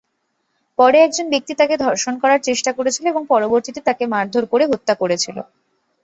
পরে একজন ব্যক্তি তাকে ধর্ষণ করার চেষ্টা করেছিল এবং পরবর্তীতে তাকে মারধর করে হত্যা করেছিল।